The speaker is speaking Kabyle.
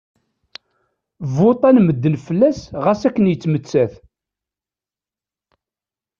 Vuṭṭan medden fell-as xas akken yettmettat.